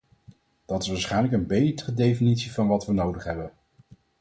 Dat is waarschijnlijk een betere definitie van wat we nodig hebben.